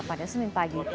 pada senin pagi